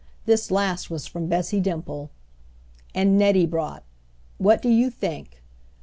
This last was from Bessie Dimple. And Nettie brought what do you think?